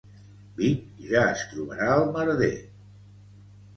Vic ja es trobarà el merder.